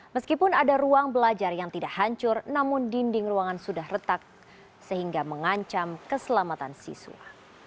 meskipun ada ruang belajar yang tidak hancur namun dinding ruangan sudah retak sehingga mengancam keselamatan siswa